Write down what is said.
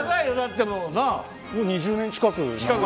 ２０年近く。